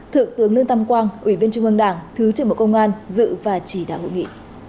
thượng tướng lương tam quang ủy viên trung ương đảng thứ trưởng bộ công an dự và chỉ đạo hội nghị